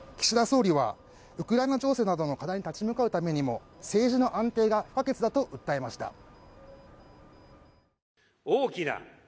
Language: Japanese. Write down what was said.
岸田総理はウクライナ情勢などの課題に立ち向かうためにも政治の安定が不可欠だと訴えました。